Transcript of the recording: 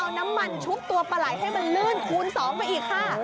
แต่นี่เขาเอาน้ำมันชุบตัวปลาไหล่ให้มันลื่นคูณสองไปอีกค่ะ